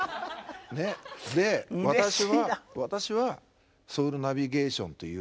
私はソウルナビゲーションというね